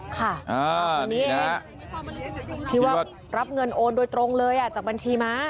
ค่ะทีนี้ที่ว่ารับเงินโอนโดยตรงเลยจากบัญชีม้า